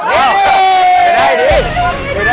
ไหวยังไม่รู้